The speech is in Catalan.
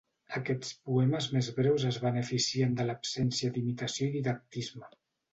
Aquests poemes més breus es beneficien de l'absència d'imitació i didactisme.